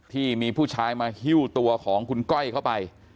ที่มีผู้ชายมาฮิ้วตัวของคุณก้อยเข้าไป